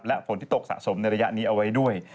และฝนที่ตกสะสมในระยะนี้เอาไว้ด้วย